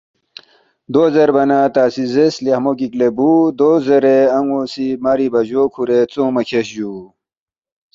دو زیربا نہ اتا سی زیرس، ”لیخمو گِک لے بُو“ دو زیرے اتو سی ماری بَجو کُھورے ژونگما کھیرس جُو